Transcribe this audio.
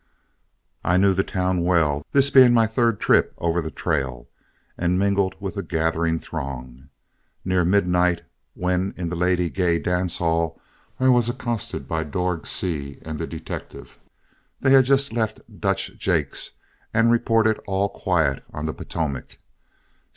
I knew the town well, this being my third trip over the trail, and mingled with the gathering throng. Near midnight, and when in the Lady Gay dance hall, I was accosted by Dorg Seay and the detective. They had just left Dutch Jake's, and reported all quiet on the Potomac.